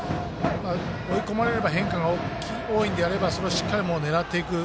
追い込まれれば変化が多いのであればそれをしっかりと狙っていく。